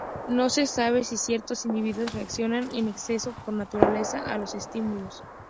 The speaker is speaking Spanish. No se sabe si ciertos individuos reaccionan en exceso por naturaleza a los estímulos.